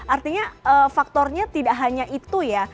artinya faktornya tidak hanya itu ya